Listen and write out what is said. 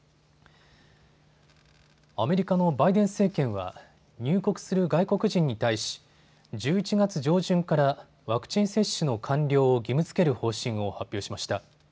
アメリカのバイデン政権は入国する外国人に対し、１１月上旬からワクチン接種の完了を義務づける方針を発表しました。